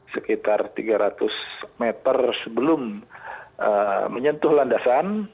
sekitar tiga ratus meter sebelum menyentuh landasan